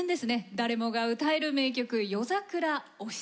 誰もが歌える名曲「夜桜お七」。